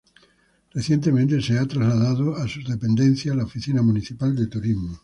Recientemente se ha trasladado a sus dependencias la Oficina Municipal de Turismo.